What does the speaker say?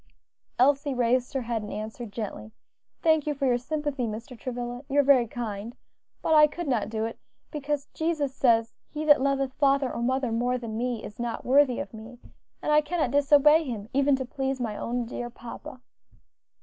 Elsie raised her head, and answered gently, "Thank you for your sympathy, Mr. Travilla, you are very kind; but I could not do it, because Jesus says, 'He that loveth father or mother more than me, is not worthy of me;' and I cannot disobey Him, even to please my own dear papa."